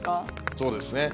そうですね。